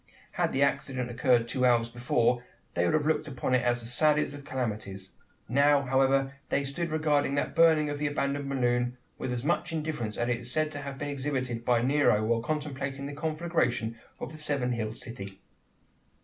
Had the accident occurred two hours before, they would have looked upon it as the saddest of calamities. Now, however, they stood regarding the burning of that abandoned balloon, with as much indifference as is said to have been exhibited by Nero, while contemplating the conflagration of the seven hilled city!